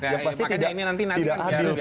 yang pasti tidak adil